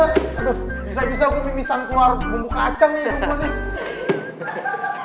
aduh bisa bisa gue mimisan keluar bumbu kacang nih